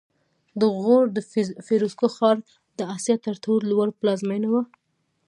د غور د فیروزکوه ښار د اسیا تر ټولو لوړ پلازمېنه وه